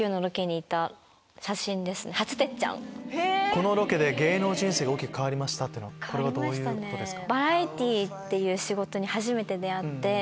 「このロケで芸能人生が大きく変わりました」ってこれはどういうことですか？